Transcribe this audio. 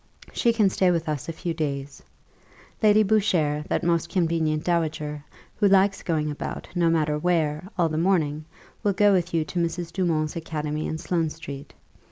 She can stay with us a few days. Lady Boucher, that most convenient dowager, who likes going about, no matter where, all the morning, will go with you to Mrs. Dumont's academy in Sloane street.